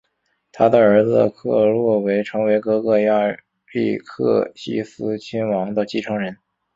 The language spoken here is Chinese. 他的儿子克洛维成为哥哥亚历克西斯亲王的继承人。